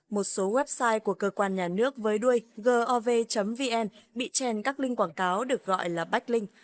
một số website của cơ quan nhà nước với đuôi gov vn bị chèn các link quảng cáo được gọi là becklink